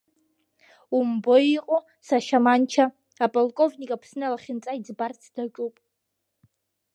Умбои иҟоу, сашьа Манча, аполковник Аԥсны алахьынҵа иӡбарц даҿуп.